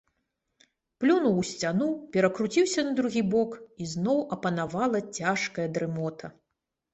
Плюнуў у сцяну, перакруціўся на другі бок, і зноў апанавала цяжкая дрымота.